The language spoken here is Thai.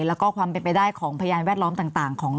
แล้วก็ความเป็นไปได้ของพยานแวดล้อมต่างของ